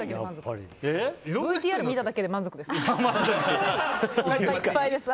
ＶＴＲ見ただけで満足です。